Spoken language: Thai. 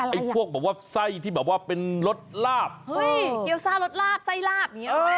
ไอ้พวกบอกว่าไส้ที่เป็นรถลาบเฮ้ยเกียวซ่ารถลาบไส้ลาบ